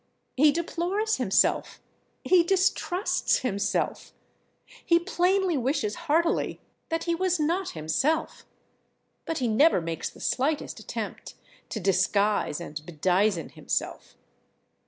He deplores himself, he distrusts himself, he plainly wishes heartily that he was not himself, but he never makes the slightest attempt to disguise and bedizen himself.